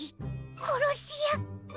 殺し屋？